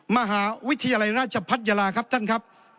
มหาวิทยาลัยราชพัทยาลาครับท่านครับ